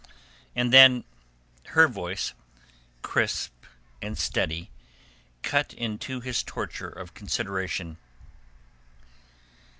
And then her voice, crisp and steady, cut into his torture of consideration.